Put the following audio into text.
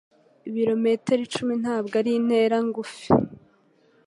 Ibirometero icumi ntabwo ari intera ngufi